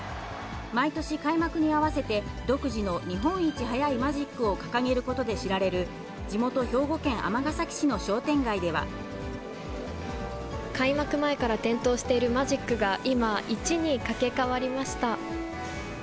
毎年、開幕に合わせて独自の日本一早いマジックを掲げることで知られる開幕前から点灯しているマジックが今、１にかけ替わりました。